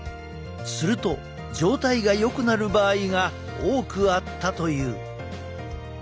すると状態がよくなる場合が多くあったという。